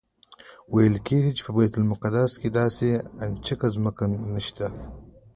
ویل کېږي په بیت المقدس کې داسې انچ ځمکه نشته.